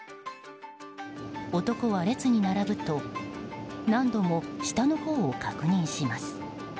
男は列に並ぶと何度も下のほうを確認します。